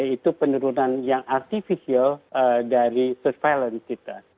itu penurunan yang artificial dari surveillance kita